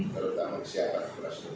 terutama siapa yang berastruktur